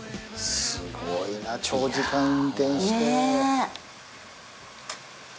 すごいな長時間運転して。ねぇ。